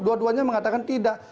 dua duanya mengatakan tidak